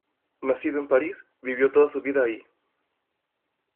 Nacido en París, vivió toda su vida ahí.